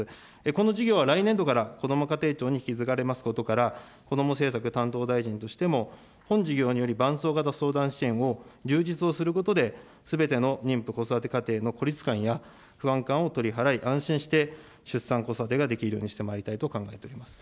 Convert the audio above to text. この事業は来年度からこども家庭庁に引き継がれますことから、こども政策担当大臣としても、本事業による伴走型相談支援を充実をすることで、すべての妊婦、子育て家庭の孤立感や不安感を取り払い、安心して出産、子育てができるようにしてまいりたいと考え